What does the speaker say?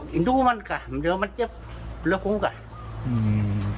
พิเศษเลือกพรุ่งกับ